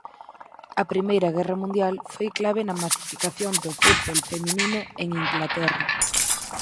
A Primeira Guerra Mundial foi clave na masificación do fútbol feminino en Inglaterra.